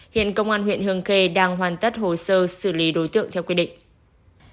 hiện công an huyện hương khê đang hoàn tất hồ sơ xử lý đối tượng theo quy định